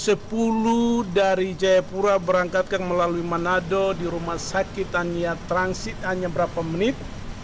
pukul sepuluh dari jayapura berangkatkan melalui manado di rumah sakitannya transit hanya berapa menit